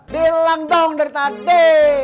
bilang dong dari tadi